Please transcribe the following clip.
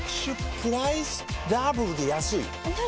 プライスダブルで安いＮｏ！